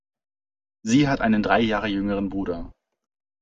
Sie hat einen drei Jahre jüngeren Bruder.